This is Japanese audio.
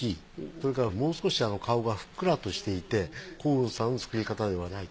それからもう少し顔がふっくらとしていて光雲さんの作り方ではない。